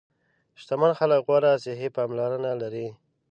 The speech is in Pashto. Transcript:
شتمن خلک غوره صحي پاملرنه لري.